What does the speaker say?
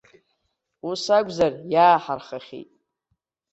Ус акәзар, иааҳархахьеит.